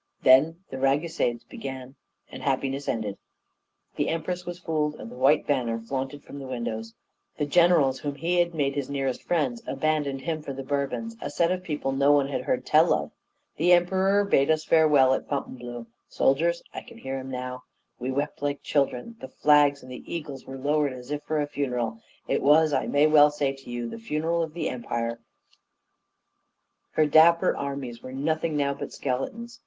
Then the Ragusades began, and happiness ended. The Empress was fooled, and the white banner flaunted from the windows. The generals whom he had made his nearest friends abandoned him for the Bourbons a set of people no one had heard tell of. The Emperor bade us farewell at Fontainebleau: 'Soldiers!' I can hear him now; we wept like children; the flags and the eagles were lowered as if for a funeral: it was, I may well say it to you, it was the funeral of the Empire; her dapper armies were nothing now but skeletons.